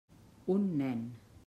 Un nen.